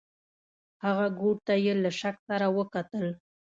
هغه کوټ ته یې له شک سره وکتل.